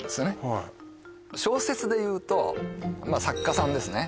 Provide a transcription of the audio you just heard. はい小説でいうとまあ作家さんですね